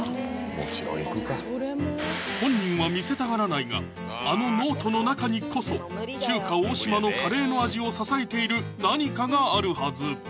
もちろんいくか本人は見せたがらないがあのノートの中にこそ中華大島のカレーの味を支えている何かがあるはず